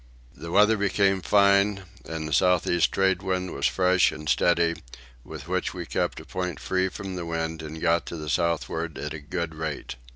The weather became fine and the south east tradewind was fresh and steady, with which we kept a point free from the wind and got to the southward at a good rate.